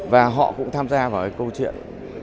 và họ cũng tham gia vào cái câu chuyện